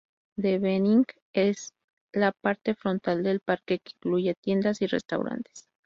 The Beginning es la parte frontal del parque, que incluye tiendas y restaurantes.